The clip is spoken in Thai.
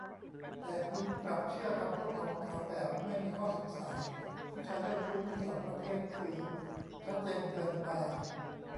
แต่คุณกลับเชื่อคำพูดของเขาแบบไม่มีข้อสงสัย ผู้ชายเจ้าชู้มี สอง ประเภท คือ ชัดเจนเกินไป